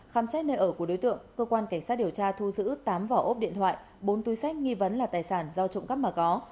khám xét nơi ở của đối tượng cơ quan cảnh sát điều tra thu giữ tám vỏ ốp điện thoại bốn túi sách nghi vấn là tài sản do trộm cắp mà có